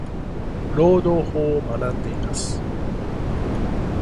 労働法を学んでいます。。